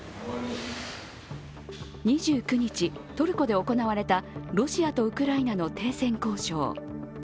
２９日、トルコで行われたロシアとウクライナの停戦交渉。